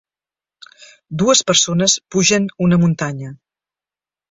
Dues persones pugen una muntanya.